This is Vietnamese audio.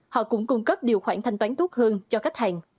họ cũng cung cấp điều khoản thanh toán tốt hơn cho khách hàng